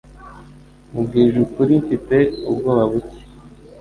Nkubwije ukuri, Mfite ubwoba buke.